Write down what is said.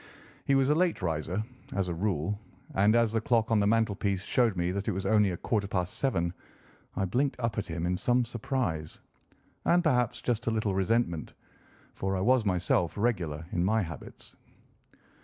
He was a late riser, as a rule, and as the clock on the mantelpiece showed me that it was only a quarter past seven, I blinked up at him in some surprise, and perhaps just a little resentment, for I was myself regular in my habits.